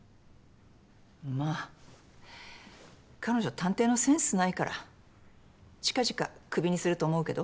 まあ彼女探偵のセンスないから近々クビにすると思うけど。